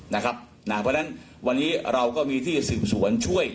เพราะฉะนั้นวันนี้เราก็มีที่สืบสวนช่วย